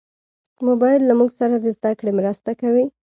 موبایل له موږ سره د زدهکړې مرسته کوي.